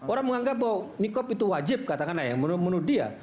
orang menganggap bahwa nikob itu wajib katakanlah ya menurut dia